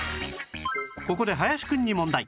ここで林くんに問題